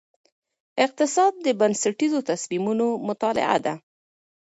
اقتصاد د بنسټیزو تصمیمونو مطالعه ده.